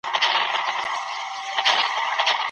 تکنالوژي به د توليد بهير ډېر چټک کړي.